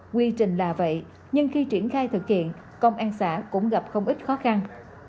quy trình là vậy nhưng khi triển khai thực hiện công an xã cũng gặp không ít khó khăn